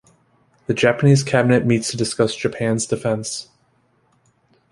The Japanese cabinet meets to discuss Japan's defence.